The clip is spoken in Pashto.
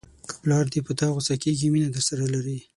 که پلار دې په تا غوسه کېږي مینه درسره لري.